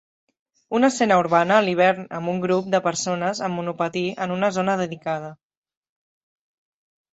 Una escena urbana a l'hivern amb un grup de persones amb monopatí en una zona dedicada.